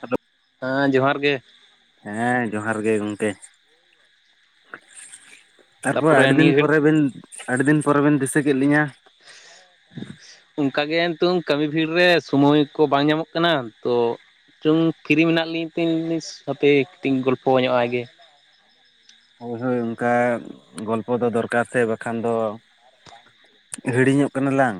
Hello [inaudible] ᱦᱮᱸ ᱡᱚᱦᱟᱨ ᱜᱮ᱾ ᱦᱮᱸ ᱡᱚᱦᱟᱨ ᱜᱮ ᱜᱚᱝᱠᱮ᱾ ᱛᱟᱨᱯᱚᱨ ᱛᱟᱯᱚᱨᱮ ᱟᱹᱰᱤ ᱫᱤᱱ ᱱᱤᱭᱟᱹ ᱜᱷᱟᱹᱲᱤᱡ ᱯᱚᱨᱮ ᱵᱤᱱ, ᱟᱹᱰᱤ ᱫᱤᱱ ᱯᱚᱨᱮ ᱵᱤᱱ ᱫᱤᱥᱟᱹ ᱠᱮᱫ ᱞᱤᱧᱟᱹ᱾ [inaudible] ᱚᱱᱠᱟᱜᱮ ᱱᱤᱛᱳᱝ ᱠᱟᱹᱢᱤ ᱵᱷᱤᱲ ᱨᱮ ᱥᱚᱢᱚᱭ ᱠᱚ ᱵᱟᱝ ᱧᱟᱢᱚᱜ ᱠᱟᱱᱟ ᱛᱚ ᱱᱤᱛᱚᱜ ᱯᱷᱤᱨᱤ ᱢᱮᱱᱟᱜ ᱞᱤᱧ ᱛᱤᱧ ᱞᱤᱧ ᱦᱟᱯᱮ ᱠᱟᱹᱴᱤᱡ ᱤᱧ ᱜᱚᱞᱯᱚ ᱧᱚᱜᱼ ᱟᱭ ᱜᱮ᱾ ᱦᱳᱭ ᱦᱳᱭ ᱚᱱᱠᱟ ᱜᱚᱞᱯᱚ ᱫᱚ ᱫᱚᱨᱠᱟᱨ ᱥᱮ ᱵᱟᱠᱷᱟᱱ ᱫᱚ ᱦᱤᱲᱤᱧᱚᱜ ᱠᱟᱱᱟ ᱞᱟᱝ᱾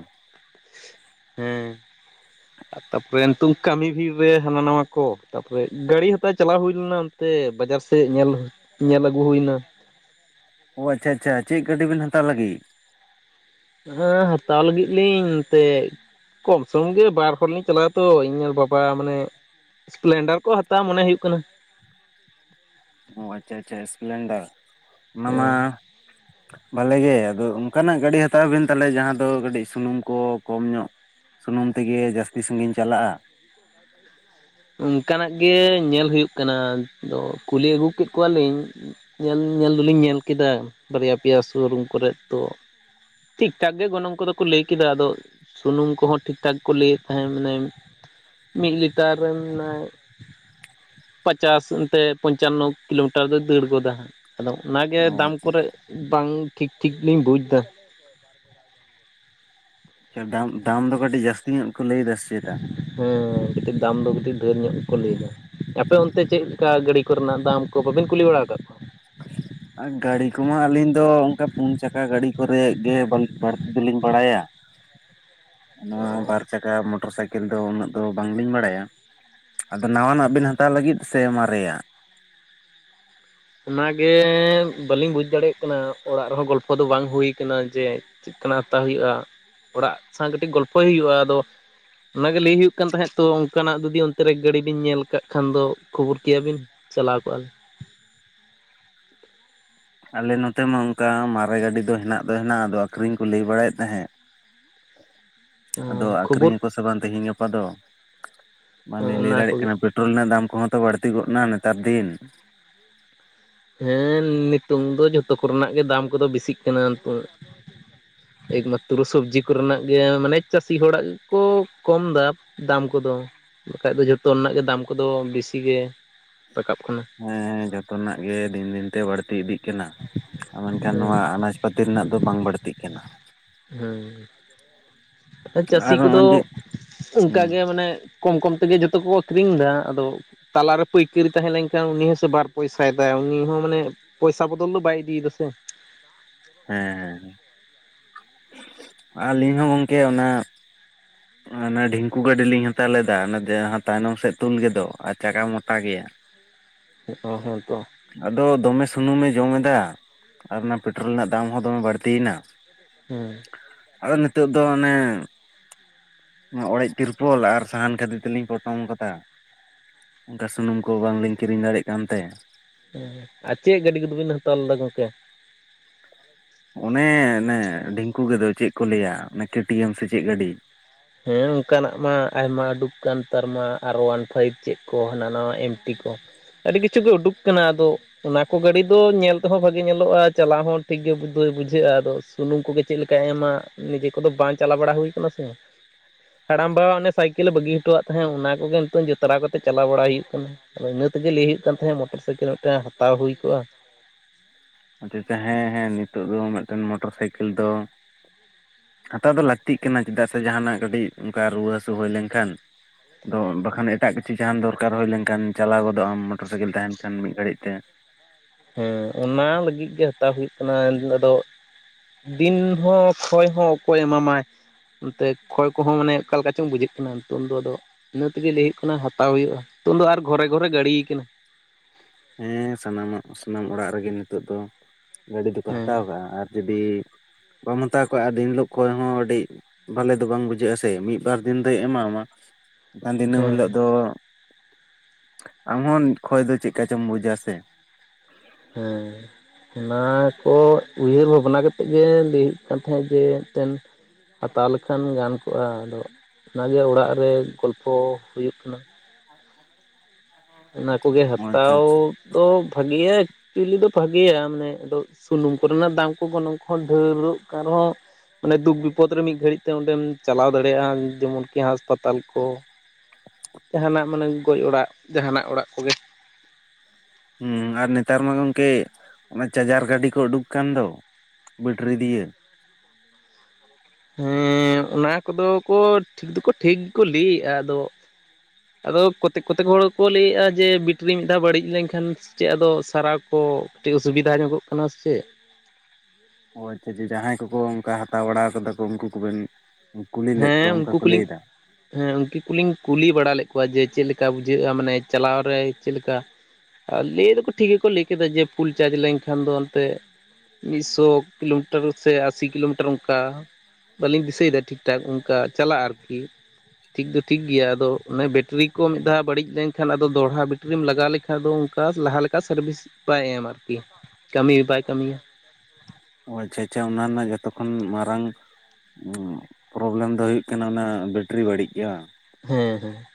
ᱦᱮᱸ [inaudible] ᱛᱟᱯᱚᱨᱮ ᱱᱤᱛᱳᱝ ᱠᱟᱹᱢᱤ ᱵᱷᱤᱲ ᱨᱮ ᱦᱟᱱᱟ ᱱᱟᱣᱟ ᱠᱚ, ᱛᱟᱯᱚᱨᱮ ᱜᱟᱹᱲᱤ ᱦᱟᱛᱟᱣ ᱪᱟᱞᱟᱣ ᱦᱩᱭ ᱞᱮᱱᱟ᱾ ᱛᱮ ᱵᱟᱡᱟᱨ ᱥᱮᱫ ᱧᱮᱞ-ᱧᱮᱞ ᱟᱹᱜᱩ ᱦᱩᱭᱱᱟ᱾ ᱳ ᱟᱪᱪᱷᱟ ᱟᱪᱪᱷᱟ ᱪᱮᱫ ᱜᱟᱹᱰᱤ ᱵᱤᱱ ᱦᱟᱛᱟᱣ ᱞᱟᱹᱜᱤᱫ? ᱦᱮᱸ ᱦᱟᱛᱟᱣ ᱞᱟᱹᱜᱤᱫ ᱞᱤᱧ ᱮᱱᱛᱮᱫ ᱠᱚᱢᱥᱚᱢ ᱜᱮ ᱵᱟᱨ ᱦᱚᱲ ᱞᱤᱧ ᱪᱟᱞᱟᱜᱼᱟ ᱛᱚ ᱤᱧ ᱟᱨ ᱵᱟᱵᱟ ᱢᱟᱱᱮ ᱥᱯᱮᱞᱮᱱᱰᱟᱨ ᱠᱚ ᱦᱟᱛᱟᱣ ᱢᱚᱱᱮ ᱦᱩᱭᱩᱜ ᱠᱟᱱᱟ᱾ ᱳ ᱟᱪᱪᱷᱟ ᱟᱪᱪᱷᱟ ᱥᱯᱞᱮᱱᱰᱟᱨ, ᱚᱱᱟ ᱦᱮᱸ ᱢᱟ ᱵᱷᱟᱞᱮ ᱜᱮ, ᱟᱫᱚ ᱚᱱᱠᱟᱱᱟᱜ ᱜᱟᱹᱰᱤ ᱦᱟᱛᱟᱣ ᱵᱮᱱ ᱛᱟᱦᱚᱞᱮ ᱡᱟᱦᱟᱸ ᱫᱚ ᱠᱟᱹᱴᱤᱡ ᱥᱩᱱᱩᱢ ᱠᱚ ᱠᱚᱢ ᱧᱚᱜ ᱥᱩᱱᱩᱢ ᱛᱮ ᱜᱮ ᱡᱟᱹᱥᱛᱤ ᱥᱟᱺᱜᱤᱧ ᱪᱟᱞᱟᱜᱼᱟ᱾ ᱚᱱᱠᱟᱱᱟᱜ ᱜᱮ ᱧᱮᱞ ᱦᱩᱭᱩᱜ ᱠᱟᱱᱟ ᱛᱚ ᱠᱩᱞᱤ ᱟᱹᱜᱩ ᱠᱮᱫ ᱠᱚᱣᱟᱞᱤᱧ᱾ ᱧᱮᱞ ᱧᱮᱞ ᱫᱚᱞᱤᱧ ᱧᱮᱞ ᱠᱮᱫᱟ ᱵᱟᱨᱭᱟ ᱯᱮᱭᱟ ᱥᱳᱨᱩᱢ ᱠᱚᱨᱮ ᱛᱚ ᱴᱷᱤᱠ ᱴᱷᱟᱠ ᱜᱮ ᱜᱚᱱᱚᱝ ᱠᱚᱫᱚ ᱠᱚ ᱞᱟᱹᱭ ᱠᱮᱫᱟ, ᱟᱫᱚ ᱥᱩᱱᱩᱢ ᱠᱚᱦᱚᱸ ᱴᱷᱤᱠᱴᱷᱟᱠ ᱠᱚ ᱞᱟᱹᱭᱮᱫ ᱛᱟᱦᱮᱸᱫ ᱢᱟᱱᱮ ᱢᱤᱫ ᱞᱤᱴᱟᱨ ᱯᱨᱮᱢᱱᱟᱭ ᱯᱟᱪᱟᱥ ᱚᱱᱛᱮ ᱯᱚᱧᱪᱟᱱᱱᱚ ᱠᱤᱞᱳᱢᱤᱴᱟᱨ ᱫᱚᱭ ᱫᱟᱹᱲ ᱜᱚᱫᱟ ᱦᱟᱸᱜ᱾ ᱟᱫᱚ ᱚᱱᱟᱜᱮ ᱚ ᱫᱟᱢ ᱟᱪᱪᱷᱟ ᱠᱚᱨᱮ ᱵᱟᱝ ᱴᱷᱤᱠ ᱴᱷᱤᱠᱞᱤᱧ ᱵᱩᱡᱫᱟ᱾ ᱟᱪᱪᱷᱟ ᱰᱟᱢ ᱫᱟᱢ ᱫᱚ ᱠᱟᱹᱴᱤᱡ ᱡᱟᱹᱥᱛᱤ ᱧᱚᱜ ᱠᱚ ᱞᱟᱹᱭ ᱮᱫᱟ ᱥᱮ ᱪᱮᱛᱟ? ᱦᱮᱸ ᱠᱟᱹᱴᱤᱡ ᱫᱟᱢ ᱫᱚ ᱠᱟᱹᱴᱤᱡ ᱰᱷᱮᱨ ᱧᱚᱜ ᱜᱮᱠᱚ ᱞᱟᱹᱭᱮᱫᱟ ᱟᱯᱮ ᱚᱱᱛᱮ ᱪᱮᱫ ᱞᱮᱠᱟ ᱜᱟᱹᱰᱤ? ᱠᱚᱨᱮ ᱨᱮᱱᱟᱜ ᱫᱟᱢ ᱠᱚ ᱵᱟᱵᱤᱱ ᱠᱩᱞᱤ ᱵᱟᱲᱟ ᱟᱠᱟᱫ ᱠᱚᱣᱟ? [inaudible] ᱟᱨ ᱜᱟᱹᱲᱤ ᱠᱚᱢᱟ ᱟᱹᱞᱤᱧ ᱫᱚ ᱚᱱᱠᱟ ᱯᱩᱱ ᱪᱟᱠᱟ ᱜᱟᱹᱰᱤ ᱠᱚᱨᱮ ᱜᱮ ᱵᱟᱹᱲᱛᱤ ᱫᱚᱞᱤᱧ ᱵᱟᱲᱟᱭᱟ᱾ ᱚᱱᱟ ᱵᱟᱨ ᱪᱟᱠᱟ ᱢᱳᱴᱚᱨ ᱥᱟᱭᱠᱮᱞ ᱠᱮᱞ ᱫᱚ ᱩᱱᱟᱹᱜ ᱫᱚ ᱵᱟᱝᱞᱤᱧ ᱵᱟᱲᱟᱭᱟ ᱟᱫᱚ ᱱᱟᱣᱟᱱᱟᱜ ᱵᱮᱱ ᱦᱟᱛᱟᱣ ᱞᱟᱹᱜᱤᱫ ᱥᱮ ᱢᱟᱨᱮᱭᱟᱜ? ᱚᱱᱟᱜᱮ ᱵᱟᱹᱞᱤᱧ ᱫᱟᱲᱮᱭᱟᱜ ᱠᱟᱱᱟ ᱚᱲᱟᱜ ᱨᱮᱦᱚᱸ ᱜᱚᱞᱯᱷᱚ ᱫᱚ ᱵᱟᱝ ᱦᱩᱭ ᱡᱮ ᱪᱮᱫᱠᱟᱱᱟᱜ ᱦᱟᱛᱟᱣ ᱦᱩᱭᱩᱜᱼᱟ ᱚᱲᱟᱜ ᱥᱟᱶ ᱠᱟᱹᱴᱤᱡ ᱜᱚᱞᱯᱷᱚᱭ ᱦᱩᱭᱩᱜᱼᱟ ᱟᱫᱚ, ᱚᱱᱟᱜᱮ ᱞᱟᱹᱭ ᱦᱩᱭᱩᱜ ᱠᱟᱱ ᱛᱟᱦᱮᱸᱫ ᱛᱚ ᱚᱱᱠᱟᱱᱟᱜ ᱡᱩᱫᱤ ᱚᱱᱛᱮ ᱨᱮ ᱜᱟᱹᱰᱤ ᱵᱤᱱ ᱧᱮᱞ ᱠᱟᱜ ᱠᱷᱟᱱ ᱫᱚ ᱠᱷᱚᱵᱚᱨ ᱠᱮᱭᱟ ᱵᱤᱱ᱾ ᱪᱟᱞᱟᱣ ᱠᱚᱜᱼᱟ ᱞᱮ᱾ ᱟᱞᱮ ᱱᱚᱛᱮ ᱢᱟ ᱚᱱᱠᱟ ᱢᱟᱨᱮ ᱜᱟᱹᱰᱤ ᱫᱚ ᱦᱮᱱᱟᱜ ᱫᱚ ᱦᱮᱱᱟᱜᱼᱟ ᱟᱫᱚ ᱟᱹᱠᱷᱨᱤᱧ ᱠᱚ ᱞᱟᱹᱭ ᱵᱟᱲᱟᱭᱮᱫ ᱛᱟᱦᱮᱸᱫ᱾ ᱦ ᱾ ᱟᱫᱚ ᱠᱷᱚᱵᱚᱨ ᱟᱠᱷᱨᱤᱧ ᱟᱠᱚ ᱥᱮ ᱵᱟᱝ ᱛᱮᱦᱤᱧ ᱜᱟᱯᱟ ᱫᱚ ᱵᱟᱝ ᱞᱤᱧ ᱞᱟᱹᱭ ᱚᱱᱟ ᱫᱟᱲᱮᱭᱟᱜ ᱠᱚᱜᱮ ᱠᱟᱱᱟ᱾ ᱯᱮᱴᱨᱳᱞ ᱨᱮᱱᱟᱜ ᱫᱟᱢ ᱠᱚᱦᱚᱸ ᱛᱚ ᱵᱟᱹᱲᱛᱤ ᱜᱚᱜᱱᱟ ᱱᱮᱛᱟᱨ ᱫᱤᱱ᱾ ᱦᱮᱸ ᱱᱤᱛᱩᱝ ᱫᱚ ᱡᱷᱚᱛᱚ ᱠᱚᱨᱮᱱᱟᱜ ᱜᱮ ᱫᱟᱢ ᱠᱚᱫᱚ ᱵᱮᱥᱤᱜ ᱠᱟᱱᱟ ᱱᱤᱛᱚᱝ᱾ ᱮᱠ ᱢᱟᱛᱨᱚ ᱥᱚᱵᱽᱡᱤ ᱠᱚᱨᱮᱱᱟᱜ ᱜᱮ ᱢᱟᱱᱮ ᱪᱟᱹᱥᱤ ᱦᱚᱲᱟᱜ ᱜᱮᱠᱚ ᱠᱚᱢ ᱮᱫᱟ᱾ ᱫᱟᱢ ᱠᱚᱫᱚ ᱵᱟᱠᱷᱟᱡ ᱫᱚ ᱡᱚᱛᱚ ᱨᱮᱱᱟᱜ ᱜᱮ ᱫᱟᱢ ᱠᱚᱫᱚ ᱵᱤᱥᱤ ᱜᱮ ᱨᱟᱠᱟᱵ ᱠᱟᱱᱟ᱾ ᱦᱮᱸ ᱡᱚᱛᱚᱱᱟᱜ ᱜᱮ ᱫᱤᱱ ᱫᱤᱱ ᱛᱮ ᱵᱟᱹᱲᱛᱤ ᱤᱫᱤᱜ ᱠᱟᱱᱟ ᱟᱨ ᱢᱮᱱᱠᱷᱟᱱ ᱦᱮᱸ ᱱᱚᱣᱟ ᱟᱱᱟ ᱯᱟᱹᱛᱤ ᱨᱮᱱᱟᱜ ᱫᱚ ᱵᱟᱝ ᱵᱟᱹᱲᱛᱤᱜ ᱠᱟᱱᱟ᱾ ᱦᱮᱸ, ᱟᱨ ᱪᱟᱹᱥᱤ ᱠᱚᱫᱚ ᱱᱚᱜᱼᱚᱭ ᱡᱮ ᱚᱱᱠᱟᱜ ᱦᱮᱸ ᱜᱮ ᱢᱟᱱᱮ ᱠᱚᱢ ᱠᱚᱢ ᱛᱮᱜᱮ ᱡᱚᱛᱚ ᱠᱚ ᱟᱹᱠᱷᱨᱤᱧ ᱮᱫᱟ ᱟᱫᱚ, ᱛᱟᱞᱟᱨᱮ ᱯᱟᱹᱭᱠᱟᱹᱨᱤ ᱛᱟᱦᱮᱸ ᱞᱮᱱᱠᱷᱟᱱ ᱩᱱᱤ ᱦᱚᱸ ᱥᱮ ᱵᱟᱨ ᱯᱚᱭᱥᱟᱭᱮᱫᱟᱭ ᱩᱱᱤ ᱦᱚᱸ ᱢᱟᱱᱮ ᱯᱚᱭᱥᱟ ᱵᱚᱫᱚᱞ ᱫᱚ ᱵᱟᱭ ᱤᱫᱤᱭᱮᱫᱟ ᱥᱮ, ᱦᱮᱸ ᱦᱮᱸ᱾ ᱟᱹᱞᱤᱧ ᱦᱚᱸ ᱜᱚᱢᱠᱮ ᱚᱱᱟ ᱚᱱᱟ ᱰᱷᱤᱝᱠᱩ ᱜᱟᱹᱰᱤ ᱞᱤᱧ ᱦᱟᱛᱟᱣ ᱞᱮᱫᱟ ᱚᱱᱟ ᱡᱟᱦᱟᱸ ᱛᱟᱭᱱᱚᱢ ᱥᱮᱫ ᱛᱩᱞ ᱜᱮᱫᱚ ᱟᱨ ᱪᱟᱠᱟ ᱢᱚᱴᱟ ᱜᱮᱭᱟ᱾ ᱚ ᱦᱮᱸ ᱛᱚ ᱟᱫᱚ ᱫᱚᱢᱮ ᱥᱩᱱᱩᱢᱮ ᱡᱚᱢ ᱮᱫᱟ ᱟᱨ ᱚᱱᱟ ᱯᱮᱴᱨᱳᱞ ᱨᱮᱱᱟᱜ ᱫᱟᱢ ᱦᱚᱸ ᱫᱚᱢᱮ ᱵᱟᱹᱲᱛᱤᱭᱮᱱᱟ᱾ ᱦᱩᱸ᱾ ᱟᱫᱚ ᱱᱤᱛᱚᱜ ᱫᱚ ᱚᱱᱮ ᱚᱲᱮᱡ ᱛᱤᱨᱯᱚᱞ ᱟᱨ ᱥᱟᱦᱟᱱ ᱠᱷᱟᱹᱫᱤ ᱛᱮᱞᱤᱧ ᱯᱚᱴᱚᱢ ᱠᱟᱫᱟ᱾ ᱚᱱᱠᱟ ᱥᱩᱱᱩᱢ ᱠᱚ ᱵᱟᱝᱞᱤᱧ ᱠᱤᱨᱤᱧ ᱫᱟᱲᱮᱭᱟᱜ ᱠᱟᱱ ᱛᱮ᱾ ᱟᱨ ᱪᱮᱫ ᱜᱟᱹᱰᱤ ᱠᱚᱫᱚᱵᱮᱱ ᱦᱟᱛᱟᱣ ᱞᱮᱫᱟ ᱜᱚᱝᱠᱮ? ᱚᱱᱮ ᱚᱱᱮ ᱰᱷᱤᱝᱠᱩ ᱜᱮᱫᱚᱚ ᱪᱮᱫ ᱠᱚ ᱞᱟᱹᱭᱟ ᱠᱮ-ᱴᱤ-ᱮᱢ ᱥᱮ ᱪᱮᱫ ᱜᱟᱹᱰᱤ? ᱦᱮᱸ ᱚᱱᱠᱟᱱᱟᱜ ᱢᱟ ᱟᱭᱢᱟ ᱩᱰᱩᱠ ᱟᱠᱟᱱ ᱱᱮᱛᱟᱨ ᱢᱟ ᱟᱨ ᱚᱣᱟᱱ ᱯᱷᱟᱭᱤᱵ ᱪᱮᱫ ᱠᱚ ᱦᱟᱱᱟ ᱱᱟᱣᱟ ᱮᱢ-ᱴᱤ ᱠᱚ᱾ ᱟᱹᱰᱤ ᱠᱤᱪᱷᱩ ᱜᱮ ᱩᱰᱩᱠ ᱠᱟᱱᱟ ᱟᱫᱚ ᱚᱱᱟ ᱠᱚ ᱜᱟᱹᱰᱤ ᱫᱚ ᱧᱮᱞ ᱛᱮᱦᱚᱸ ᱵᱷᱟᱜᱤ ᱧᱮᱞᱚᱜᱼᱟ ᱪᱟᱞᱟᱣ ᱦᱚᱸ ᱴᱷᱤᱠᱜᱮ ᱵᱩᱡᱷᱟᱹᱜᱼᱟ ᱟᱫᱚ ᱥᱩᱱᱩᱢ ᱠᱚᱜᱮ ᱪᱮᱫ ᱞᱮᱠᱟᱭ ᱮᱢᱟ ᱱᱤᱡᱮ ᱠᱚᱫᱚ ᱵᱟᱝ ᱪᱟᱞᱟᱣ ᱵᱟᱲᱟ ᱦᱩᱭ ᱠᱟᱱᱟ ᱥᱮ᱾ ᱦᱟᱲᱟᱢ ᱵᱟ ᱚᱱᱮ ᱥᱟᱭᱠᱮᱞᱮ ᱵᱟᱹᱜᱤ ᱦᱚᱴᱚᱣᱟᱜ ᱛᱟᱦᱮᱸᱫ ᱚᱱᱟ ᱠᱚᱜᱮ ᱱᱤᱛᱚᱝ ᱡᱩᱛᱨᱟᱣ ᱠᱟᱛᱮᱜ ᱪᱟᱞᱟᱣ ᱵᱟᱲᱟ ᱦᱩᱭᱩᱜ ᱠᱟᱱᱟ᱾ ᱟᱫᱚ ᱤᱱᱟᱹ ᱛᱮᱜᱮ ᱞᱟᱹᱭ ᱦᱩᱭᱩᱜ ᱠᱟᱱ ᱛᱟᱦᱮᱸᱫ ᱢᱚᱴᱚᱨ ᱥᱟᱭᱠᱮᱞ ᱢᱤᱫᱴᱟᱝ ᱦᱟᱛᱟᱣ ᱦᱩᱭ ᱠᱚᱜᱼᱟ᱾ ᱟᱪᱪᱷᱟ ᱟᱪᱷᱟ, ᱦᱮᱸ ᱦᱮᱸ ᱱᱤᱛᱚᱜ ᱫᱚ ᱢᱤᱫᱴᱮᱱ ᱢᱚᱴᱚᱨ ᱥᱟᱭᱠᱮᱞ ᱫᱚ, ᱦᱟᱛᱟᱣ ᱫᱚ ᱞᱟᱹᱠᱛᱤᱜ ᱠᱟᱱᱟ᱾ ᱪᱮᱫᱟᱜ ᱥᱮ ᱡᱟᱦᱟᱱᱟᱜ ᱠᱟᱹᱴᱤᱡ ᱚᱱᱠᱟ ᱨᱩᱣᱟᱹ ᱦᱟᱹᱥᱩ ᱦᱩᱭ ᱞᱮᱱᱠᱷᱟᱱ ᱟᱫᱚ ᱵᱟᱠᱷᱟᱱ ᱮᱴᱟᱜ ᱠᱤᱪᱷᱩ ᱡᱟᱦᱟᱱ ᱫᱚᱨᱠᱟᱨ ᱦᱩᱭ ᱞᱮᱱᱠᱷᱟᱱ ᱪᱟᱞᱟᱣ ᱜᱚᱫᱚᱜᱼᱟᱢ ᱢᱚᱴᱚᱨ ᱥᱟᱭᱠᱮᱞ ᱛᱟᱦᱮᱱ ᱠᱷᱟᱱ, ᱢᱤᱫ ᱜᱷᱟᱹᱲᱤᱡ ᱛᱮ᱾ ᱦᱮᱸ ᱚᱱᱟ ᱞᱟᱹᱜᱤᱫ ᱜᱮ ᱦᱟᱛᱟᱣ ᱦᱩᱭᱩᱜ ᱠᱟᱱᱟ, ᱟᱫᱚ ᱫᱤᱱ ᱦᱚᱸ ᱠᱷᱚᱭ ᱦᱚᱸ ᱚᱠᱚᱭ ᱮᱢᱟᱢᱟᱭ? ᱱᱚᱛᱮ ᱠᱷᱚᱭ ᱠᱚᱦᱚᱸ ᱢᱟᱱᱮ ᱚᱠᱟ ᱞᱮᱠᱟ ᱪᱚᱝ ᱵᱩᱡᱷᱟᱹᱜ ᱠᱟᱱᱟ, ᱱᱤᱛᱚᱝ ᱫᱚ ᱟᱫᱚ ᱤᱱᱟᱹ ᱛᱮᱜᱮ ᱞᱟᱹᱭ ᱦᱩᱭᱩᱜ ᱠᱟᱱᱟ ᱦᱟᱛᱟᱣ ᱦᱩᱭᱩᱜᱼᱟ, ᱱᱤᱛᱚᱝ ᱫᱚ ᱟᱨ ᱜᱷᱚᱨᱮ ᱜᱷᱚᱨᱮ ᱜᱟᱹᱲᱤᱭ ᱟᱠᱟᱱᱟ᱾ ᱦᱮᱸ ᱥᱟᱱᱟᱢᱟᱜ ᱥᱟᱱᱟᱢ ᱚᱲᱟᱜ ᱨᱮᱜᱮ ᱱᱤᱛᱚᱜ ᱫᱚ ᱜᱟᱹᱰᱤ ᱫᱚᱠᱚ ᱦᱮᱸ ᱦᱟᱛᱟᱣ ᱠᱟᱜᱼᱟ, ᱟᱨ ᱡᱩᱫᱤ ᱵᱟᱢ ᱦᱟᱛᱟᱣ ᱠᱟᱜᱼᱟ, ᱫᱤᱱ ᱦᱤᱞᱳᱜ ᱠᱚᱸᱭ ᱦᱚᱸ ᱟᱹᱰᱤ ᱵᱷᱟᱞᱮ ᱫᱚ ᱵᱟᱝ ᱵᱩᱡᱷᱟᱹᱜ ᱟᱥᱮ ᱢᱤᱫᱵᱟᱨ ᱫᱤᱱ ᱫᱚᱭ ᱮᱢᱟᱢᱟ, ᱫᱤᱱᱟᱹᱢ ᱦᱮᱸ ᱦᱤᱞᱳᱜ ᱫᱚ ᱟᱢ ᱦᱚᱸ ᱠᱷᱚᱭ ᱫᱚ ᱪᱮᱫᱠᱟ ᱪᱚᱢ ᱵᱩᱡᱟ ᱥᱮ? ᱦᱮᱸ᱾ ᱚᱱᱟ ᱠᱚ ᱩᱭᱦᱟᱹᱨ ᱵᱷᱟᱵᱽᱱᱟ ᱠᱟᱛᱮᱫ ᱜᱮ ᱞᱟᱹᱭ ᱦᱩᱭᱩᱜ ᱠᱟᱱ ᱛᱟᱦᱮᱸᱫ ᱡᱮ ᱢᱤᱫᱴᱮᱱ ᱦᱟᱛᱟᱣ ᱞᱮᱠᱷᱟᱱ ᱜᱟᱱ ᱠᱚᱜᱼᱟ, ᱟᱫᱚ ᱚᱱᱟ ᱜᱮ ᱚᱲᱟᱜ ᱨᱮ ᱜᱚᱞᱯᱷᱚ ᱦᱩᱭᱩᱜ ᱠᱟᱱᱟ᱾ [inaudible] ᱚᱱᱟ ᱠᱚᱜᱮ ᱟᱪᱪᱷᱟ ᱦᱟᱛᱟᱣ ᱟᱪᱪᱷᱟ ᱫᱚ ᱵᱷᱟᱹᱜᱤᱭᱟ, ᱮᱠᱪᱩᱭᱞᱤ ᱫᱚ ᱵᱷᱟᱹᱜᱮᱭᱟ, ᱢᱟᱱᱮ ᱟᱫᱚ ᱥᱩᱱᱩᱢ ᱠᱚᱨᱮᱱᱟᱜ ᱫᱟᱢ ᱠᱚ ᱜᱚᱱᱚᱝ ᱠᱚᱦᱚᱸ ᱰᱷᱮᱨᱚᱜ ᱠᱟᱱ ᱨᱮᱦᱚᱸ ᱢᱟᱱᱮ ᱫᱩᱠ ᱵᱤᱯᱚᱫ ᱨᱮ ᱢᱤᱫ ᱜᱷᱟᱹᱲᱤᱡ ᱛᱮ ᱚᱸᱰᱮᱢ ᱪᱟᱞᱟᱣ ᱫᱟᱲᱮᱭᱟᱜᱼᱟ, ᱡᱮᱢᱚᱱ ᱠᱤ ᱦᱟᱸᱥᱯᱟᱛᱟᱞ ᱠᱚ᱾ ᱡᱟᱦᱟᱱᱟᱜ ᱢᱟᱱᱮ ᱜᱚᱡ ᱚᱲᱟᱜ ᱡᱟᱦᱟᱱᱟᱜ ᱚᱲᱟᱜ ᱠᱚᱜᱮ ᱾ ᱦᱩᱸ ᱟᱨ ᱱᱮᱛᱟᱨ ᱢᱟ ᱜᱚᱝᱠᱮ ᱚᱱᱟ ᱪᱟᱨᱡᱟᱨ ᱜᱟᱹᱰᱤ ᱠᱚ ᱩᱰᱩᱠ ᱟᱠᱟᱱ ᱫᱚ, ᱵᱮᱴᱨᱤ ᱫᱤᱭᱮ ᱾ ᱦᱮᱸ ᱚᱱᱟ ᱠᱚᱫᱚ ᱠᱚ ᱴᱷᱤᱠ ᱫᱚᱠᱚ ᱴᱷᱤᱠ ᱜᱮᱠ ᱞᱟᱹᱭᱮᱜᱼᱟ ᱟᱫᱚ ᱟᱫᱚ ᱠᱚᱛᱮᱠ ᱠᱚᱛᱮᱠ ᱦᱚᱲ ᱠᱚ ᱞᱟᱹᱭᱮᱜᱼᱟ ᱡᱮ ᱵᱤᱴᱨᱤ ᱢᱤᱫ ᱫᱷᱟᱣ ᱵᱟᱹᱲᱤᱡ ᱞᱮᱱᱠᱷᱟᱱ ᱥᱮᱪᱮᱜ ᱟᱫᱚ ᱥᱟᱨᱟᱣ ᱠᱚ ᱠᱟᱹᱴᱤᱡ ᱚᱥᱩᱵᱤᱫᱷᱟ ᱧᱚᱜᱚᱜ ᱠᱟᱱᱟ ᱥᱮ ᱪᱮᱫ? ᱚ ᱟᱪᱪᱷᱟ ᱪᱷᱟ ᱡᱟᱦᱟᱸᱭ ᱠᱚᱠᱚ ᱚᱱᱠᱟ ᱦᱟᱛᱟᱣ ᱵᱟᱲᱟᱣ ᱟᱠᱟᱫᱟ ᱠᱚ ᱩᱱᱠᱩ ᱠᱚᱵᱮᱱ ᱠᱩᱞᱤ ᱞᱮᱫ ᱦᱮᱸ ᱠᱚᱣᱟ ᱚᱱᱠᱟ ᱩᱱᱠᱩ ᱠᱚ ᱞᱟᱹᱭ ᱠᱚᱞᱤᱧ ᱮᱫᱟ? ᱦᱮᱸ ᱩᱱᱠᱤᱱ ᱠᱩᱞᱤᱧ ᱠᱩᱞᱤ ᱵᱟᱲᱟ ᱞᱮᱜ ᱠᱚᱣᱟ, ᱡᱮ ᱪᱮᱫ ᱞᱮᱠᱟ ᱵᱩᱡᱷᱟᱹᱜᱼᱟ ᱢᱟᱱᱮ ᱪᱟᱞᱟᱣ ᱨᱮ ᱪᱮᱫ ᱞᱮᱠᱟ ᱟᱨ ᱞᱟᱹᱭ ᱫᱚᱠᱚ ᱴᱷᱤᱠ ᱜᱮᱠᱚ ᱞᱟᱹᱭ ᱠᱮᱫᱟ, ᱡᱮ ᱯᱷᱩᱞ ᱪᱟᱨᱡᱽ ᱞᱮᱱᱠᱷᱟᱱ ᱫᱚ ᱚᱱᱛᱮ ᱢᱤᱫᱥᱚ ᱠᱤᱞᱳᱢᱤᱴᱟᱨ ᱥᱮ ᱟᱥᱤ ᱠᱤᱞᱳᱢᱤᱴᱟᱨ ᱚᱱᱠᱟ, ᱵᱟᱹᱞᱤᱧ ᱫᱤᱥᱟᱹᱭ ᱮᱫᱟ ᱴᱷᱤᱠ ᱴᱷᱟ ᱚᱱᱠᱟ ᱪᱟᱞᱟᱜᱼᱟ ᱟᱨᱠᱤ᱾ ᱴᱷᱤᱠ ᱫᱚ ᱴᱷᱤᱠ ᱜᱮᱭᱟ, ᱟᱫᱚ ᱚᱱᱮ ᱵᱮᱴᱨᱤ ᱠᱚ ᱢᱤᱫ ᱫᱷᱟᱣ ᱵᱟᱹᱲᱤᱡ ᱞᱮᱱᱠᱷᱟᱱ ᱟᱫᱚ ᱫᱚᱲᱦᱟ ᱵᱮᱴᱨᱤᱢ ᱞᱟᱜᱟᱣ ᱞᱮᱠ ᱠᱟ ᱟᱫᱚ ᱚᱱᱠᱟ ᱞᱟᱦᱟ ᱞᱮᱠᱟ ᱥᱟᱨᱵᱷᱤᱥ ᱵᱟᱭ ᱮᱢᱟ ᱟᱨᱠᱤ, ᱠᱟᱹᱢᱤ ᱦᱚᱸ ᱵᱟᱭ ᱠᱟᱹᱢᱤᱭᱟ ᱾ ᱚ ᱟᱪᱪᱷᱟ ᱟᱪᱪᱷᱟ ᱚᱱᱟ ᱨᱮᱱᱟᱜ ᱡᱷᱚᱛᱚ ᱠᱷᱚᱱ ᱢᱟᱨᱟᱝ ᱚ ᱯᱨᱚᱵᱞᱮᱢ ᱫᱚ ᱦᱩᱭᱩᱜ ᱠᱟᱱᱟ, ᱚᱱᱟ ᱵᱮᱴᱨᱤ ᱵᱟᱹᱲᱤᱡ ᱜᱮ ᱵᱟᱝ? ᱦᱮᱸ ᱦᱮᱸ᱾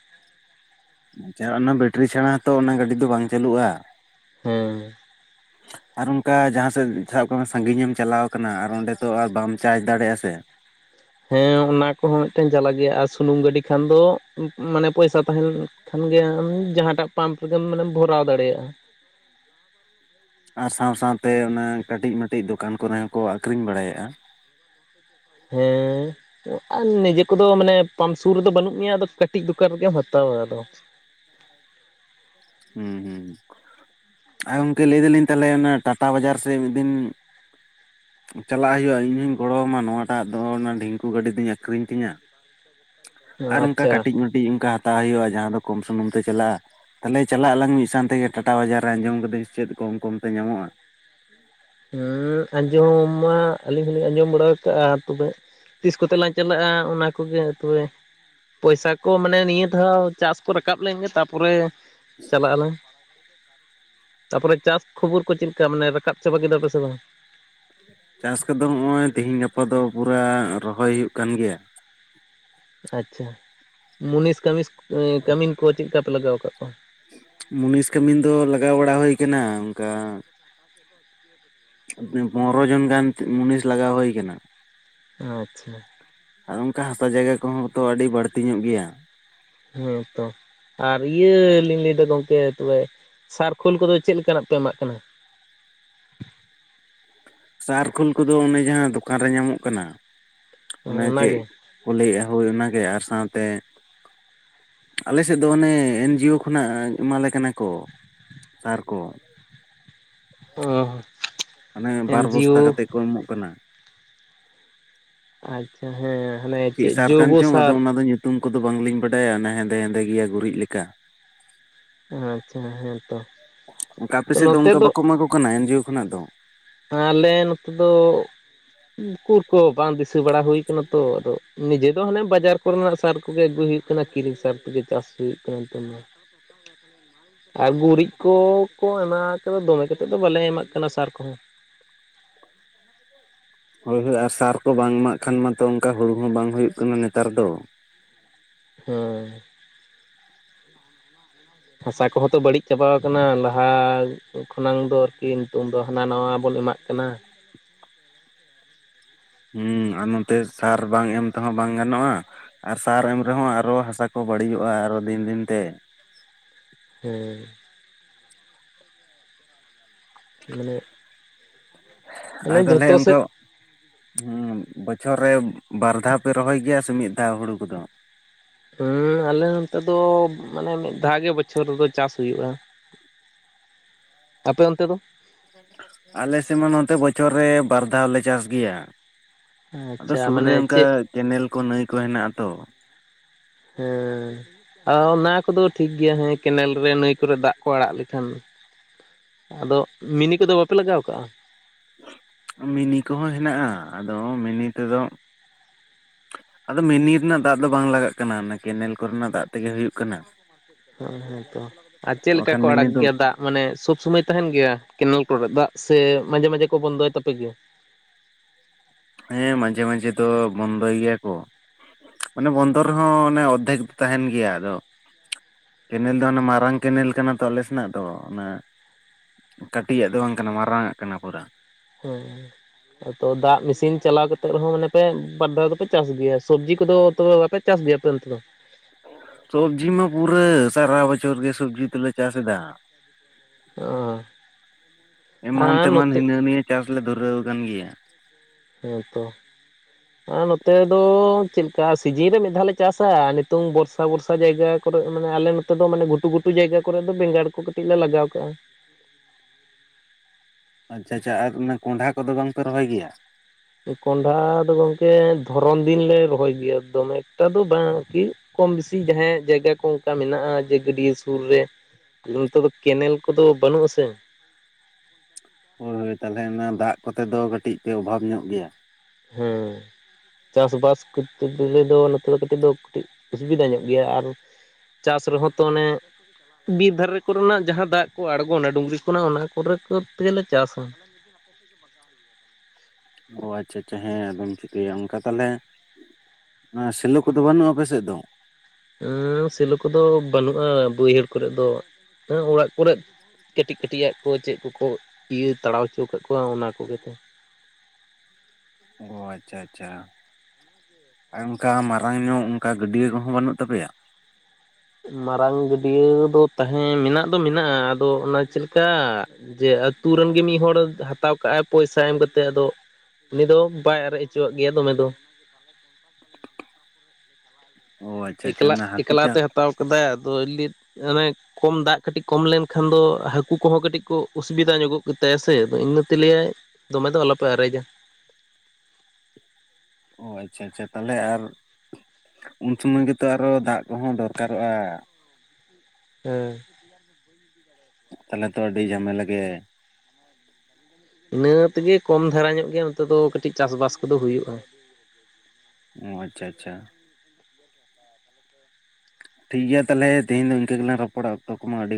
ᱟᱪᱪᱷᱟ, ᱚᱱᱟ ᱵᱮᱴᱨᱤ ᱪᱷᱟᱲᱟ ᱦᱚᱸ ᱛᱚ ᱚᱱᱟ ᱜᱟᱹᱰᱤ ᱫᱚ ᱵᱟᱝ ᱪᱟᱹᱞᱩᱜᱼᱟ᱾ ᱦᱮᱸ᱾ [inaudible] ᱟᱨ ᱚᱱᱠᱟ ᱡᱟᱦᱟᱸ ᱥᱮᱫ ᱥᱟᱵ ᱠᱟᱜ ᱢᱮ ᱥᱟᱜᱤᱧ ᱮᱢ ᱪᱟᱞᱟᱣ ᱟᱠᱟᱱᱟ ᱟᱨ ᱚᱸᱰᱮ ᱛᱚ ᱟᱨ ᱵᱟᱢ ᱪᱟᱨᱡᱽ ᱫᱟᱲᱮᱜᱼᱟ ᱥᱮ᱾ ᱦᱮᱸ ᱚᱱᱟ ᱠᱚᱦᱚᱸ ᱢᱤᱫᱴᱮᱱ ᱡᱟᱞᱟ ᱜᱮᱭᱟ ᱟᱨ ᱥᱩᱱᱩᱢ ᱜᱟᱹᱰᱤ ᱠᱷᱟᱱ ᱫᱚ ᱢᱟᱱᱮ ᱯᱚᱭᱥᱟ ᱛᱟᱦᱮᱱ ᱠᱷᱟᱱ ᱜᱮ ᱟᱢ ᱡᱟᱦᱟᱸᱴᱟᱜ ᱯᱟᱢᱯ ᱨᱮᱜᱮᱢ ᱢᱟᱱᱮᱢ ᱵᱷᱚᱨᱟᱣ ᱫᱟᱲᱮᱭᱟᱜᱼᱟ᱾ ᱟᱨ ᱥᱟᱶ ᱥᱟᱶᱛᱮ ᱚᱱᱟ ᱠᱟᱹᱴᱤᱡ ᱢᱟᱹᱴᱤᱡ ᱫᱚᱠᱟᱱ ᱠᱚᱨᱮ ᱦᱚᱸᱠᱚ ᱟᱠᱷᱨᱤᱧ ᱵᱟᱲᱟᱭᱮᱜᱼᱟ᱾ ᱦᱮᱸ, ᱟᱨ ᱱᱤᱡᱮ ᱠᱚᱫᱚ ᱢᱟᱱᱮ ᱯᱟᱢᱯ ᱥᱩᱨ ᱨᱮᱫᱚ ᱵᱟᱹᱱᱩᱜ ᱢᱮᱭᱟ, ᱟᱫᱚ ᱠᱟᱹᱴᱤᱡ ᱫᱚᱠᱟᱱ ᱨᱮᱜᱮᱢ ᱦᱟᱛᱟᱣᱟ ᱟᱫᱚ ᱾ ᱦᱩᱸ ᱦᱩᱸ ᱦᱩᱸ ᱟᱨ ᱜᱚᱢᱠᱮ ᱞᱟᱹᱭ ᱫᱟᱞᱤᱧ ᱛᱟᱦᱚᱞᱮ ᱚᱱᱟ ᱴᱟᱴᱟ ᱵᱟᱡᱟᱨ ᱥᱮᱫ ᱢᱤᱫ ᱫᱤᱱ ᱪᱟᱞᱟᱜ ᱦᱩᱭᱩᱜᱼᱟ ᱤᱧ ᱦᱚᱧ ᱜᱚᱲᱚᱣᱟᱢᱟ, ᱱᱚᱣᱟᱴᱟᱜ ᱫᱚ ᱚᱱᱟ ᱰᱷᱤᱝᱠᱩ ᱜᱟᱹᱰᱤ ᱫᱚᱧ ᱟᱠᱷᱨᱤᱧ ᱛᱤᱧᱟ ᱾ ᱟᱨ ᱚᱱᱠᱟ ᱟᱪᱪᱷᱟ ᱠᱟᱹᱴᱤᱡ ᱢᱟᱹᱴᱤᱡ ᱚᱱᱠᱟ ᱦᱟᱛᱟᱣ ᱦᱩᱭᱩᱜᱼᱟ᱾ ᱡᱟᱦᱟᱸ ᱫᱚ ᱠᱚᱢ ᱥᱩᱱᱩᱢ ᱛᱮ ᱪᱟᱞᱟᱜᱼᱟ᱾ ᱛᱟᱦᱚᱞᱮ ᱪᱟᱞᱟᱜ ᱟᱞᱟᱝ ᱢᱤᱫ ᱥᱟᱶ ᱛᱮᱜᱮ ᱴᱟᱴᱟ ᱵᱟᱡᱟᱨ ᱨᱮ ᱟᱸᱡᱚᱢ ᱠᱟᱫ ᱪᱮᱫ ᱠᱚᱢ ᱠᱚᱢ ᱛᱮ ᱧᱟᱢᱚᱜᱼᱟ? ᱦᱮᱸ ᱟᱸᱡᱚᱢ ᱢᱟ ᱟᱹᱞᱤᱧ ᱦᱚᱞᱤᱧ ᱟᱸᱡᱚᱢ ᱵᱟᱲᱟ ᱟᱠᱟ ᱟᱜᱼᱟ ᱛᱚᱵᱮᱼᱼ ᱛᱤᱥ ᱠᱚᱛᱮ ᱞᱟᱝ ᱪᱟᱞᱟᱜᱼᱟ ᱚᱱᱟ ᱠᱚᱜᱮ ᱛᱚᱵᱮᱼᱼ ᱯᱚᱭᱥᱟ ᱠᱚ ᱢᱟᱱᱮ ᱱᱤᱭᱟᱹ ᱫᱷᱟᱣ ᱪᱟᱥ ᱠᱚ ᱨᱟᱠᱟᱵ ᱞᱮᱱ ᱜᱮ ᱛᱟᱯᱚᱨᱮᱼᱼ ᱪᱟᱞᱟᱜ ᱟᱞᱟᱝ ᱛᱟᱯᱚᱨᱮ ᱪᱟᱥ ᱠᱷᱚᱵᱚᱨ ᱠᱚ ᱪᱮᱫᱞᱮᱠᱟ ᱢᱟᱱᱮ ᱨᱟᱠᱟᱵ? ᱪᱟᱵᱟ ᱠᱮᱫᱟ ᱯᱮᱥᱮ ᱵᱟᱝ? ᱪᱟᱥ ᱠᱚᱫᱚ ᱱᱚᱜᱼᱚᱭ ᱛᱮᱦᱮᱧ ᱜᱟᱯᱟ ᱫᱚ ᱯᱩᱨᱟᱹ ᱨᱚᱦᱚᱭ ᱦᱩᱭᱩᱜ ᱠᱟᱱ ᱜᱮᱭᱟ ᱾ ᱟᱪᱪᱷᱟ ᱢᱩᱱᱤᱥ ᱠᱟᱹᱢᱤᱥ ᱠᱟᱹᱢᱤᱱ ᱠᱚ ᱪᱮᱫᱠᱟ ᱯᱮ ᱞᱟᱜᱟᱣ ᱟᱠᱟᱫ ᱠᱚᱣᱟ? ᱢᱩᱱᱤᱥ ᱠᱟᱹᱢᱤᱱ ᱫᱚ ᱞᱟᱜᱟᱣ ᱵᱟᱲᱟ ᱦᱩᱭ ᱠᱟᱱᱟ ᱚᱱᱠᱟᱼᱼ [unintelligible] ᱯᱚᱱᱨᱚ ᱡᱚᱱ ᱜᱟᱱ ᱢᱩᱱᱤᱥ ᱞᱟᱜᱟᱣ ᱦᱩᱭ ᱠᱟᱱᱟ ᱾ ᱟᱪᱪᱷᱟ᱾ ᱟᱨ ᱚᱱᱠᱟ ᱦᱟᱥᱟ ᱡᱟᱭᱜᱟ ᱠᱚᱦᱚᱸ ᱛᱚ ᱟᱹᱰᱤ ᱵᱟᱹᱲᱛᱤ ᱧᱚᱜ ᱜᱮᱭᱟ ᱾ ᱦᱮᱸ ᱛᱚ ᱟᱨ ᱤᱭᱟᱹ ᱞᱤᱧ ᱞᱟᱹᱭᱫᱟ ᱜᱚᱢᱠᱮ ᱛᱚᱵᱮᱼᱼ ᱥᱟᱨ ᱠᱷᱳᱞ ᱠᱚᱫᱚ ᱪᱮᱫ ᱞᱮᱠᱟᱱᱟᱜ ᱯᱮ ᱮᱢᱟᱜ ᱠᱟᱱᱟ? ᱥᱟᱨ ᱠᱷᱳᱞ ᱠᱚᱫᱚ ᱚᱱᱮ ᱡᱟᱦᱟᱸ ᱫᱳᱠᱟᱱ ᱨᱮ ᱧᱟᱢᱚᱜ ᱠᱟᱱᱟ ᱚᱱᱮ ᱪᱮᱫ ᱚᱱᱟᱜᱮ ᱠᱚ ᱞᱟᱹᱭᱮᱫᱼᱟ ᱦᱳᱭ ᱚᱱᱟᱜᱮ ᱟᱨ ᱥᱟᱶᱛᱮᱼᱼ ᱟᱞᱮ ᱥᱮᱫ ᱫᱚ ᱚᱱᱮ ᱮᱱ ᱡᱤ ᱭᱳ ᱠᱷᱚᱱᱟᱜ ᱮᱢᱟᱞᱮ ᱠᱟᱱᱟ ᱠᱚ ᱥᱟᱨ ᱠᱚ ᱾ ᱚ ᱢᱟᱱᱮ ᱵᱟᱨ ᱵᱚᱥᱛᱟ ᱮᱱᱡᱤᱭᱳ ᱠᱟᱛᱮᱫ ᱠᱚ ᱮᱢᱚᱜ ᱠᱟᱱᱟ ᱾ ᱟᱪᱪᱷᱟ ᱦᱮᱸ ᱦᱟᱱᱮ ᱪᱮᱫ ᱥᱟᱨ ᱠᱟᱱ ᱡᱳᱭᱵᱚ ᱪᱚᱝ ᱟᱫᱚ ᱥᱟᱨ? ᱚᱱᱟ ᱫᱚ ᱧᱩᱛᱩᱢ ᱠᱚᱫᱚ ᱵᱟᱝᱞᱤᱧ ᱵᱟᱰᱟᱭᱟ ᱚᱱᱟ ᱦᱮᱸᱫᱮ ᱦᱮᱸᱫᱮ ᱜᱮᱭᱟ ᱜᱩᱨᱤᱡ ᱞᱮᱠᱟ ᱾ ᱟᱪᱪᱷᱟ ᱦᱮᱸᱛᱚ ᱚᱱᱠᱟ ᱟᱯᱮ ᱛᱚ ᱥᱮᱫ ᱫᱚ ᱱᱚᱛᱮ ᱚᱱᱠᱟ ᱵᱟᱠᱚ ᱮᱢᱟ ᱠᱚ ᱠᱟᱱᱟ ᱮᱱᱡᱤᱭᱳ ᱠᱷᱚᱱᱟᱜ ᱫᱚ? ᱟᱞᱮ ᱱᱚᱛᱮ ᱫᱚᱼᱼ ᱩᱠᱩᱨ ᱠᱚ ᱵᱟᱝ ᱫᱤᱥᱟᱹ ᱵᱟᱲᱟ ᱦᱩᱭ ᱟᱠᱟᱱᱟ ᱛᱚ ᱟᱫᱚ ᱱᱤᱡᱮ ᱫᱚ ᱦᱟᱱᱮ ᱵᱟᱡᱟᱨᱼᱼ ᱠᱚᱨᱮᱱᱟᱜ ᱥᱟᱨ ᱠᱚᱜᱮ ᱟᱹᱜᱩᱭ ᱦᱩᱭᱩᱜ ᱠᱟᱱᱟ ᱠᱤᱨᱤᱧ ᱥᱟᱨ ᱠᱚᱜᱮ ᱪᱟᱥ ᱦᱩᱭᱩᱜ ᱠᱟᱱᱟ ᱱᱤᱛᱚᱝ ᱢᱟ ᱾ ᱟᱨ ᱜᱩᱨᱤᱡ ᱠᱚ ᱠᱚ ᱮᱢᱟ ᱠᱟᱫᱟ ᱫᱚᱢᱮ ᱠᱟᱛᱮᱫ ᱫᱚ ᱵᱟᱞᱮ ᱮᱢᱟᱜ ᱠᱟᱱᱟ ᱥᱟᱨ ᱠᱚᱦᱚ᱾ ᱦᱳᱭ ᱦᱳᱭ ᱟᱨ ᱥᱟᱨ ᱠᱚ ᱵᱟᱝ ᱮᱢᱟᱜ ᱠᱷᱟᱱ ᱢᱟᱛᱚ ᱚᱱᱠᱟ ᱦᱩᱲᱩ ᱦᱚᱸ ᱵᱟᱝ ᱦᱩᱭᱩᱜ ᱠᱟᱱᱟ ᱱᱮᱛᱟᱨ ᱫᱚ ᱦᱮᱸ᱾ ᱦᱟᱥᱟ ᱠᱚᱦᱚᱸ ᱛᱚ ᱵᱟᱹᱲᱤᱡ ᱪᱟᱵᱟᱣ ᱟᱠᱟᱱᱟ ᱞᱟᱦᱟ ᱠᱷᱚᱱᱟᱝ ᱫᱚ ᱟᱨᱠᱤ ᱱᱤᱛᱚᱝ ᱫᱚ ᱦᱟᱱᱟ ᱱᱟᱣᱟ ᱵᱚᱱ ᱮᱢᱟᱜᱼᱼ ᱠᱟᱱᱟᱼᱼ ᱦᱮᱸ ᱟᱨ ᱱᱚᱛᱮ ᱥᱟᱨ ᱵᱟᱝ ᱮᱢ ᱛᱮᱦᱚᱸ ᱵᱟᱝ ᱜᱟᱱᱚᱜᱼᱟ᱾ ᱟᱨ ᱥᱟᱨ ᱮᱢ ᱨᱮᱦᱚᱸ ᱟᱨᱚ ᱦᱟᱥᱟ ᱠᱚ ᱵᱟᱹᱲᱤᱡᱚᱜᱼᱟ ᱟᱨᱚ ᱫᱤᱱ ᱫᱤᱱ ᱛᱮ ᱾ ᱦᱮᱸ᱾ ᱢᱟᱱᱮ ᱟ ᱢᱟᱱᱮ ᱛᱟᱦᱚᱞᱮ ᱡᱷᱚᱛᱚ ᱚᱱᱠᱟ ᱥᱮᱫ ᱦᱮᱸ ᱵᱚᱪᱷᱚᱨ ᱨᱮ ᱵᱟᱨ ᱫᱷᱟᱣ ᱯᱮ ᱨᱚᱦᱚᱭ ᱜᱮᱭᱟ ᱥᱮ ᱢᱤᱫ ᱫᱷᱟᱣ ᱦᱩᱲᱩ ᱠᱚᱫᱚ? ᱦᱮᱸ ᱟᱞᱮ ᱱᱚᱛᱮ ᱫᱚ ᱢᱟᱱᱮ ᱢᱤᱫ ᱫᱷᱟᱣ ᱜᱮ ᱵᱚᱪᱷᱚᱨ ᱨᱮᱫᱚ ᱪᱟᱥ ᱦᱩᱭᱩᱜᱼᱟ ᱾ [unintelligible] ᱟᱯᱮ ᱚᱱᱛᱮ ᱫᱚ? ᱟᱞᱮ ᱥᱮᱫ ᱢᱟ ᱱᱚᱛᱮ ᱵᱚᱪᱷᱚᱨ ᱨᱮ ᱵᱟᱨ ᱫᱷᱟᱣ ᱞᱮ ᱪᱟᱥ ᱜᱮᱭᱟ ᱾ ᱟᱫᱚ ᱟᱪᱪᱷᱟ ᱥᱩᱨ ᱢᱟᱱᱮ ᱨᱮ ᱚᱱᱠᱟ ᱪᱮᱫ ᱠᱮᱱᱮᱞ ᱠᱚ ᱱᱟᱹᱭ ᱠᱚ ᱦᱮᱱᱟᱜᱼᱟ ᱟᱛᱚ᱾ ᱦᱮᱸ᱾ ᱚᱱᱟ ᱠᱚᱫᱚ ᱴᱷᱤᱠ ᱜᱮᱭᱟ ᱦᱮᱸ ᱠᱮᱱᱮᱞ ᱨᱮ ᱱᱟᱹᱭ ᱠᱚᱨᱮ ᱫᱟᱜ ᱠᱚ ᱟᱲᱟᱜ ᱞᱮᱠᱷᱟᱱ ᱟᱫᱚ ᱢᱤᱱᱤ ᱠᱚᱫᱚ ᱵᱟᱯᱮ ᱞᱟᱜᱟᱣ ᱠᱟᱜᱼᱟ? ᱢᱤᱱᱤ ᱠᱚᱦᱚᱸ ᱦᱮᱱᱟᱜᱼᱟ ᱟᱫᱚ ᱢᱤᱱᱤ ᱛᱮᱫᱚ ᱟᱫᱚ ᱢᱤᱱᱤ ᱨᱮᱱᱟᱜ ᱫᱟᱜ ᱫᱚ ᱵᱟᱝ ᱞᱟᱜᱟᱜ ᱠᱟᱱᱟ ᱚᱱᱟ ᱠᱮᱱᱮᱞ ᱠᱚᱨᱮᱱᱟᱜ ᱫᱟᱜ ᱛᱮᱜᱮ ᱦᱩᱭᱩᱜ ᱠᱟᱱᱟ ᱾ ᱟᱨ ᱪᱮᱫ ᱞᱮᱠᱟ ᱵᱟᱠᱷᱟᱱ ᱢᱤᱱᱤ ᱟᱲᱟᱜ ᱫᱚ ᱜᱮᱭᱟ ᱫᱟᱜ? ᱢᱟᱱᱮ ᱥᱚᱵ ᱥᱩᱢᱚᱭ ᱛᱟᱦᱮᱱ ᱜᱮᱭᱟ ᱠᱮᱱᱮᱞ ᱠᱚᱨᱮ ᱫᱟᱜ, ᱥᱮ ᱢᱟᱡᱷᱮ ᱢᱟᱡᱷᱮ ᱠᱚ ᱵᱚᱱᱫᱚᱭ ᱛᱟᱯᱮ ᱜᱮᱭᱟ? ᱦᱮᱸ ᱢᱟᱡᱷᱮ ᱢᱟᱡᱷᱮ ᱫᱚ ᱵᱚᱱᱫᱚᱭ ᱜᱮᱭᱟ ᱠᱚ ᱾ ᱢᱟᱱᱮ ᱵᱚᱱᱫᱚ ᱨᱮᱦᱚᱸ ᱚᱱᱮ ᱚᱨᱫᱷᱮᱠ ᱛᱟᱦᱮᱱ ᱜᱮᱭᱟ ᱟᱫᱚ ᱠᱮᱱᱮᱞ ᱫᱚ ᱚᱱᱮ ᱢᱟᱨᱟᱝ ᱠᱮᱱᱮᱞ ᱠᱟᱱᱟ ᱛᱚ ᱟᱞᱮ ᱥᱮᱱᱟᱜ ᱫᱚ ᱚᱱᱟ ᱠᱟᱹᱴᱤᱡᱟᱜ ᱫᱚ ᱵᱟᱝ ᱠᱟᱱᱟ ᱢᱟᱨᱟᱝᱟᱜ ᱠᱟᱱᱟ ᱯᱩᱨᱟᱹ᱾ ᱦᱳᱭ᱾ ᱟᱫᱚ ᱫᱟᱜ ᱢᱮᱥᱤᱱ ᱪᱟᱞᱟᱣ ᱠᱟᱛᱮᱫ ᱨᱮᱦᱚᱸ ᱢᱟᱱᱮ ᱯᱮ ᱵᱟᱨ ᱫᱷᱟᱣ ᱫᱚᱯᱮ ᱪᱟᱥ ᱜᱮᱭᱟ ᱥᱚᱵᱽᱡᱤ ᱠᱚᱫᱚ ᱛᱚᱵᱮ ᱵᱟᱯᱮ ᱪᱟᱥ ᱜᱮᱭᱟ ᱟᱯᱮ ᱚᱱᱛ ᱫᱚ? ᱥᱚᱵᱽᱡᱤ ᱢᱟ ᱯᱩᱨᱟᱹ ᱥᱟᱨᱟ ᱵᱚᱪᱷᱚᱨ ᱜᱮ ᱥᱚᱵᱽᱡᱤ ᱫᱚᱞᱮ ᱪᱟᱥ ᱮᱫᱟ᱾ ᱚ ᱮᱢᱟᱱ ᱟᱨ ᱛᱮᱢᱟᱱ ᱱᱚᱛᱮ ᱦᱤᱱᱟᱹ ᱱᱤᱭᱟᱹ ᱪᱟᱥᱞᱮ ᱫᱷᱩᱨᱟᱹᱣ ᱟᱠᱟᱱ ᱜᱮᱭᱟ᱾ ᱦᱮᱸ ᱛᱚ᱾ ᱦ ᱟᱨ ᱱᱚᱛᱮ ᱫᱚ ᱪᱮᱫ ᱞᱮᱠᱟ ᱥᱤᱡᱤᱱ ᱨᱮ ᱢᱤᱫ ᱫᱷᱟᱣ ᱞᱮ ᱪᱟᱥᱟ ᱱᱤᱛᱚᱝ ᱵᱚᱨᱥᱟ ᱵᱚᱨᱥᱟ ᱡᱟᱭᱜᱟ ᱠᱚᱨᱮ ᱢᱟᱱᱮ ᱟᱞᱮ ᱱᱚᱛᱮ ᱫᱚ ᱢᱟᱱᱮ ᱜᱷᱴᱩ ᱜᱷᱴᱩ ᱡᱟᱭᱜᱟ ᱠᱚᱨᱮ ᱫᱚ ᱵᱮᱸᱜᱟᱲ ᱠᱚ ᱠᱟᱹᱴᱤᱡ ᱞᱮ ᱞᱟᱜᱟᱣ ᱠᱟᱜᱼᱟ᱾ ᱟᱪᱪᱷᱟ ᱟᱪᱪᱷᱟ ᱟᱨ ᱚᱱᱟ ᱠᱚᱸᱰᱷᱟ ᱠᱚᱫᱚ ᱵᱟᱝᱯᱮ ᱨᱚᱦᱚᱭ ᱜᱮᱭᱟ? ᱠᱚᱱᱰᱷᱟ ᱫᱚ ᱜᱚᱝᱠᱮ ᱫᱷᱚᱨᱚᱱ ᱫᱤᱱ ᱞᱮ ᱨᱚᱦᱚᱭ ᱜᱮᱭᱟ ᱫᱚᱢᱮ ᱮᱠᱴᱟ ᱵᱟᱝ ᱟᱨᱠᱤ᱾ ᱠᱚᱢ ᱵᱮᱥᱤ ᱡᱟᱦᱟᱸᱭᱟᱜ ᱡᱟᱭᱜᱟ ᱠᱚ ᱚᱱᱠᱟ ᱢᱮᱱᱟᱜᱼᱟ ᱡᱮ ᱜᱟᱹᱰᱭᱟᱹ ᱥᱩᱨ ᱨᱮ᱾ ᱱᱮᱛᱮ ᱫᱚ ᱠᱮᱱᱮᱞ ᱠᱚᱫᱚ ᱵᱟᱹᱱᱩᱜ-ᱟ ᱥᱮ᱾ ᱦᱳᱭ ᱦᱳᱭ ᱛᱟᱦᱚᱞᱮ ᱚᱱᱟ ᱫᱟᱜ ᱠᱚᱛᱮ ᱫᱚ ᱠᱟᱹᱴᱤᱡ ᱯᱮ ᱚᱵᱷᱟᱵᱽ ᱧᱚᱜ ᱜᱮᱭᱟ? ᱦᱮᱸ᱾ ᱪᱟᱥ ᱵᱟᱥ ᱠᱚᱨᱛᱮ ᱜᱮᱞᱮ ᱫᱚ ᱱᱚᱛᱮ ᱫᱚ ᱠᱟᱹᱴᱤᱡ ᱫᱚ ᱠᱟᱹᱴᱤᱡ ᱚᱥᱩᱵᱤᱫᱟ ᱧᱚᱜ ᱜᱮᱭᱟ ᱟᱨ ᱪᱟᱥ ᱨᱮᱦᱚᱸ ᱛᱚ ᱚᱱᱮ ᱵᱤᱨ ᱫᱷᱟᱨᱮ ᱠᱚᱨᱮᱱᱟᱜ ᱡᱟᱦᱟᱸ ᱫᱟᱜ ᱠᱚ ᱟᱲᱜᱚᱱᱟ ᱰᱩᱝᱨᱤ ᱠᱚᱨᱮᱱᱟᱜ ᱚᱱᱟ ᱠᱚᱨᱮ ᱠᱚ ᱛᱮᱜᱮᱞᱮ ᱪᱟᱥᱟ᱾ ᱚᱻ ᱟᱪᱪᱷᱟ ᱟᱪᱪᱷᱟ ᱦᱮᱸ ᱟᱫᱚᱢ ᱪᱤᱠᱟᱹᱭᱟ ᱚᱱᱠᱟ ᱛᱟᱦᱚᱞᱮ ᱚᱱᱟ ᱥᱮᱞᱚ ᱠᱚᱫᱚ ᱵᱟᱹᱱᱩᱜ-ᱟ ᱟᱯᱮ ᱥᱮᱫ ᱫᱚ? ᱦᱮᱸ ᱥᱮᱞᱚ ᱠᱚᱫᱚ ᱵᱟᱹᱱᱩᱜᱼᱟ ᱵᱟᱹᱭᱦᱟᱹᱲ ᱠᱚᱨᱮ ᱫᱚ ᱦᱮᱸ ᱚᱲᱟᱜ ᱠᱚᱨᱮ ᱠᱟᱹᱴᱤᱡ ᱠᱟᱹᱴᱤᱡᱟᱜ ᱠᱚ ᱪᱮᱫ ᱠᱚᱠᱚ ᱤᱭᱟᱹ ᱛᱟᱲᱟᱣ ᱦᱚᱪᱚ ᱟᱠᱟᱫ ᱠᱚᱣᱟ ᱚᱱᱟ ᱠᱚᱜᱮ ᱛᱚ᱾ ᱚᱻ ᱟᱪᱪᱷᱟ ᱟᱪᱪᱷᱟ᱾ ᱟᱨ ᱚᱱᱠᱟ ᱢᱟᱨᱟᱝ ᱧᱚᱜ ᱚᱱᱠᱟ ᱜᱟᱹᱰᱭᱟᱹ ᱠᱚᱦᱚᱸ ᱵᱟᱹᱱᱩᱜ ᱛᱟᱯᱮᱭᱟ? ᱢᱟᱨᱟᱝ ᱜᱟᱹᱰᱭᱟᱹ ᱫᱚ ᱛᱟᱦᱮᱸ ᱢᱮᱱᱟᱜ ᱫᱚ ᱢᱮᱱᱟᱜᱼᱟ ᱟᱫᱚ ᱚᱱᱟ ᱪᱮᱞᱠᱟ ᱡᱮ ᱟᱹᱛᱩ ᱨᱮᱱ ᱜᱮ ᱢᱤᱫ ᱦᱚᱲ ᱦᱟᱛᱟᱣ ᱠᱟᱜ ᱟᱭ ᱯᱚᱭᱥᱟ ᱮᱢ ᱠᱟᱛᱮᱜ ᱟᱫᱚ ᱩᱱᱤ ᱫᱚ ᱵᱟᱭ ᱟᱨᱮᱡ ᱦᱚᱪᱚᱣᱟᱜ ᱜᱮᱭᱟ ᱫᱚᱢᱮ ᱫᱚ᱾ ᱚ ᱟᱪᱪᱷᱟ ᱟᱪᱪᱷᱟ ᱮᱠᱞᱟ ᱚᱱᱟ ᱦᱟᱹᱠᱩ ᱮᱠᱞᱟ ᱪᱟᱥ ᱛᱮᱭ ᱦᱟᱛᱟᱣ ᱠᱟᱫᱟᱭ ᱟᱫᱚ ᱚᱱᱮ ᱠᱚᱢ ᱫᱟᱜ ᱠᱟᱹᱴᱤᱡ ᱠᱚᱢ ᱞᱮᱱᱠᱷᱟᱱ ᱫᱚ ᱦᱟᱹᱠᱩ ᱠᱚᱦᱚᱸ ᱠᱟᱹᱴᱤᱡ ᱠᱚ ᱚᱥᱩᱵᱤᱫᱟ ᱧᱚᱜᱚᱜ ᱜᱮᱛᱟᱭᱟ ᱥᱮ ᱟᱫᱚ ᱤᱱᱟᱹᱛᱮ ᱞᱟᱹᱭᱟᱭ ᱫᱚᱢᱮ ᱫᱚ ᱟᱞᱚ ᱯᱮ ᱟᱨᱮᱡᱟ᱾ ᱚᱻ ᱟᱪᱪᱷᱟ ᱟᱪᱪᱷᱟ ᱛᱟᱦᱚᱞᱮ ᱟᱨ ᱩᱱ ᱥᱚᱢᱚᱭ ᱜᱮᱛᱚ ᱟᱨᱚ ᱫᱟᱜ ᱠᱚᱦᱚᱸ ᱫᱚᱨᱠᱟᱨᱚᱜᱼᱟ᱾ ᱦᱮᱸ᱾ [unintelligible] ᱛᱟᱦᱚᱞᱮ ᱛᱚ ᱟᱹᱰᱤ ᱡᱷᱟᱢᱮᱞᱟ ᱜᱮᱭᱟᱭ᱾ ᱤᱱᱟᱹ ᱛᱮᱜᱮ ᱠᱚᱢ ᱫᱷᱟᱨᱟ ᱧᱚᱜ ᱜᱮ ᱱᱚᱛᱮ ᱫᱚ ᱠᱟᱹᱴᱤᱡ ᱪᱟᱥ ᱵᱟᱥ ᱠᱚᱫᱚ ᱦᱩᱭᱩᱜᱼᱟ᱾ ᱚᱻ ᱟᱪᱪᱷᱟ ᱟᱪᱪᱷᱟ᱾ ᱴᱷᱤᱠ ᱜᱮᱭᱟ ᱛᱟᱦᱚᱞᱮ ᱛᱮᱦᱮᱧ ᱫᱚ ᱤᱱᱠᱟᱹ ᱜᱮᱞᱟᱝ ᱨᱯᱚᱲᱟ ᱚᱠᱛᱚ ᱠᱚᱢᱟ ᱟᱹᱰᱤ ᱜᱟᱱ